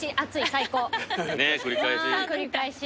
繰り返し。